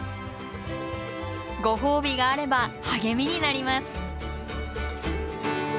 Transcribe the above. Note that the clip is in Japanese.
ご褒美があれば励みになります。